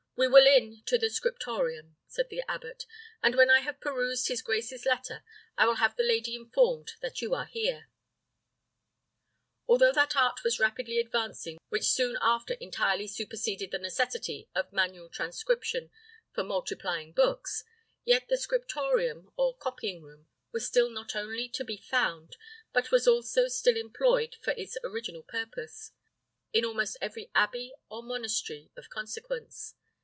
We will in to the scriptorium," said the abbot; "and when I have perused his grace's letter, will have the lady informed that you are here." Although that art was rapidly advancing which soon after entirely superseded the necessity of manual transcription for multiplying books, yet the scriptorium, or copying room, was still not only to be found, but was also still employed for its original purpose, in almost every abbey or monastery of consequence.